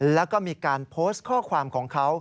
แล้วก็มีการโพสต์ข้อความของเขา